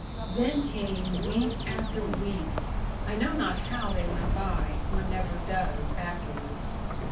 Then came week after week I know not how they went by one never does, afterwards.